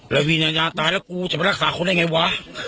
แต่พี่มันตายไงไนาตายแล้วกูจะไปรักษาคนได้ไงวะ